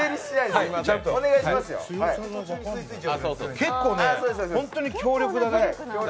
結構、本当に強力だね。